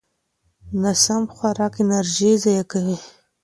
ناسم خوراک انرژي ضایع کوي.